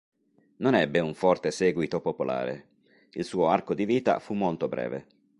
Non ebbe un forte seguito popolare: il suo arco di vita fu molto breve.